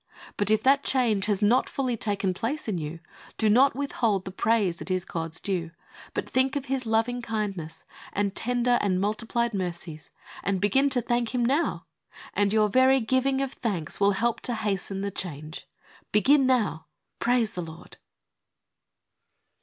But if that change has not fully taken place in you, do not withhold the praise that is God's due, but think of His loving kindness and tender and multiplied mercies, and begin to thank Him now, and your very giving of thanks will help to hasten the change. Begin now ! Praise the Lord